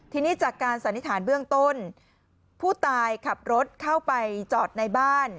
ทีนี้จากการสันนิษฐานเบื้องต้นผู้ตายขับรถเข้าไปจอดในบ้าน